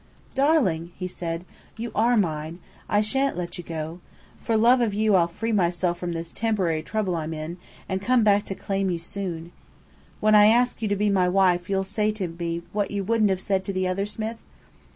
"Darling!" he said. "You are mine. I sha'n't let you go. For love of you I'll free myself from this temporary trouble I'm in, and come back to claim you soon. When I ask you to be my wife you'll say to me what you wouldn't have said to the other Smith?"